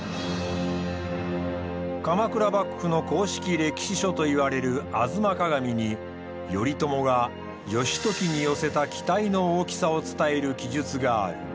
鎌倉幕府の公式歴史書といわれる「吾妻鏡」に頼朝が義時に寄せた期待の大きさを伝える記述がある。